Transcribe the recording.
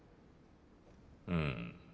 うん